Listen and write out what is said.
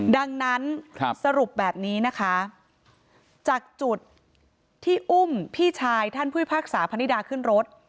ดังนั้นสรุปแบบนี้นะคะจากจุดที่อุ้มพี่ชายท่านผู้พิพากษาพนิดาขึ้นรถ